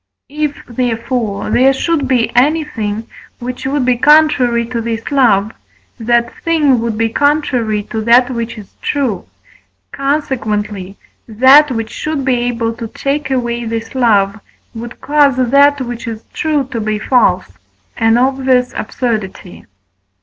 If, therefore, there should be anything which would be contrary to this love, that thing would be contrary to that which is true; consequently, that, which should be able to take away this love, would cause that which is true to be false; an obvious absurdity.